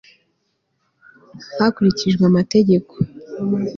hakurikijwe amategeko